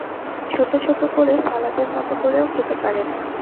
ছোট ছোট করে সালাদের মতো করেও খেতে পারেন।